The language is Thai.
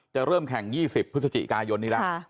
จะเริ่มแข่งยี่สิบพฤศจิกายนอีกละค่ะ